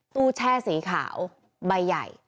แช่สีขาวใบใหญ่